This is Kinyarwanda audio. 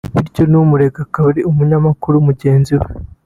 bityo n’umurega akaba ari n’umunyamakuru mugenzi we